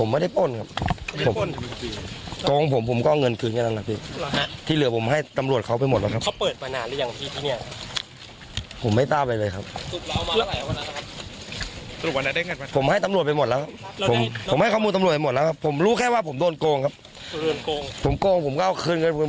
แม่ข้อมูลตำรวจหมดแล้วครับผมรู้แค่ว่าผมโดนโกงครับผมโกงผมก็เอาคืนเงินผมคืน